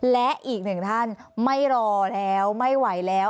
และอีกหนึ่งท่านไม่รอแล้วไม่ไหวแล้ว